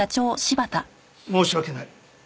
申し訳ない。